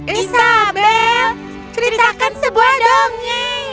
isabel ceritakan sebuah dongeng